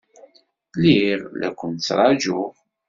Lliɣ la ken-ttṛajuɣ.